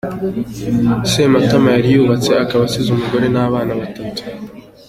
Sematama yari yubatse akaba asize umugore n’abana batanu.